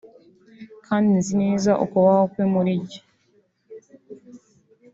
kandi nzi neza ukubaho kwe muri jye